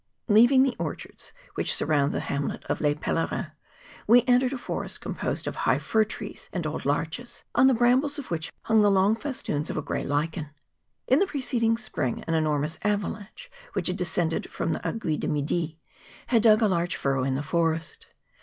Leaving the orchards which surround the hamlet of Les Pelerins, we entered a forest composed of high fir trees and old larches, on the brambles of which hung the long festoons of a grey lichen. In the preceding spring an enor¬ mous avalanche, which had descended from the Aiguille du Midi, had dug a large furrow in the forest.